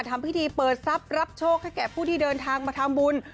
ทำพิธีเปิดทรัพย์รับโชคให้แก่ผู้ที่เดินทางมาทำบุญ